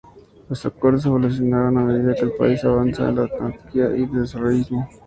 Los acuerdos evolucionaron a medida que el país avanza de la autarquía al desarrollismo.